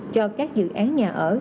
cho các dự án nhà ở